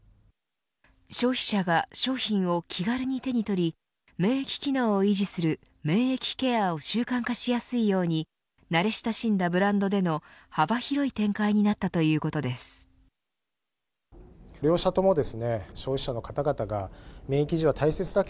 消費者が商品を気軽に手に取り免疫機能を維持する免疫ケアを習慣化しやすいように慣れ親しんだブランドでの幅広い展開になったということです。